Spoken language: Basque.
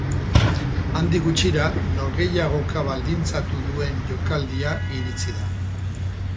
Handik gutxira norgehiagoka baldintzatu duen jokaldia iritsi da.